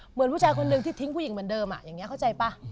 เหมือนผู้ชายคนหนึ่งที่ทิ้งผู้หญิงเหมือนเดิมอย่างนี้เข้าใจป่ะ